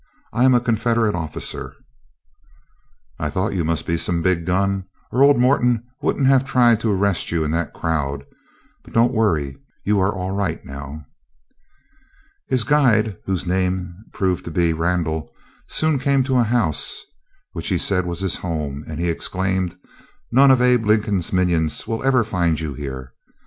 "I am a Confederate officer." "I thought you must be some big gun, or old Morton wouldn't have tried to arrest you in that crowd; but don't worry, you are all right now." His guide, whose name proved to be Randall, soon came to a house which he said was his home, "and," he exclaimed, "none of Abe Lincoln's minions will ever find you here.